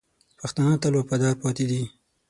پښتانه تل وفادار پاتې دي.